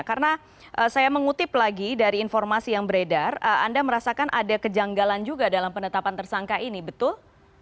karena saya mengutip lagi dari informasi yang beredar anda merasakan ada kejanggalan juga dalam penetapan tersangka ini betul